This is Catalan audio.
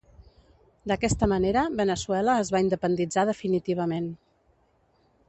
D'aquesta manera Veneçuela es va independitzar definitivament.